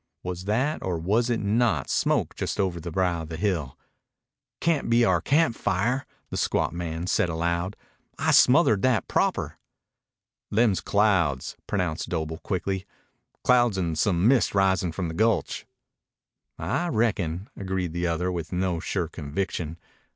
Was that or was it not smoke just over the brow of the hill? "Cayn't be our camp fire," the squat man said aloud. "I smothered that proper." "Them's clouds," pronounced Doble quickly. "Clouds an' some mist risin' from the gulch." "I reckon," agreed the other, with no sure conviction.